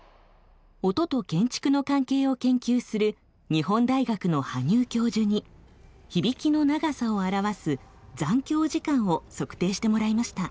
音と建築の関係を研究する日本大学の羽入教授に響きの長さを表す残響時間を測定してもらいました。